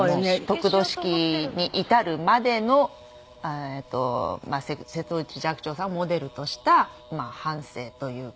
得度式に至るまでの瀬戸内寂聴さんをモデルとしたまあ半生という。